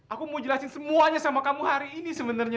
aku mau jelasin semuanya sama kamu hari ini sebenarnya